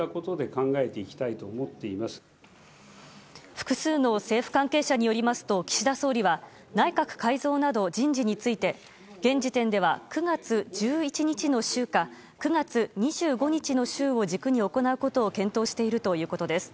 複数の政府関係者によりますと岸田総理は内閣改造など人事について現時点では９月１１日の週か９月２５日の週を軸に行うことを検討しているということです。